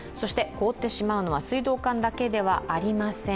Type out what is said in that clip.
凍ってしまうのは水道管だけではありません。